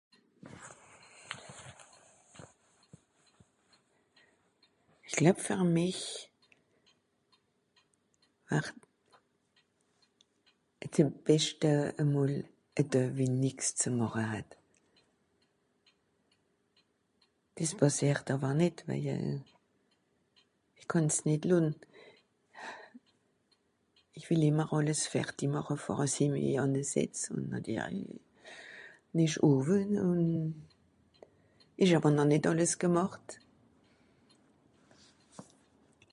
Ìch glab fer mich war de beschte e mol Doe, wie i nix ze màche hatt. Dìs pàssìert àwer nìt waje... ìch kànn's nìt lonn. Ìch wìll ìmmer àlles ferti màche vor àss i mi ànnesìtz ùn nàtirli ìsch owe ùn ìch hàb noh nìt àlles gemàcht.